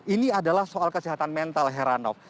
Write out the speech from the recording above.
ini adalah soal kesehatan mental heran of